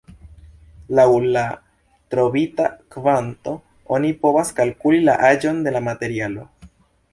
Laŭ la trovita kvanto oni povas kalkuli la aĝon de la materialo.